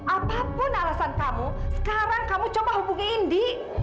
apapun alasan kamu sekarang kamu coba hubungi indi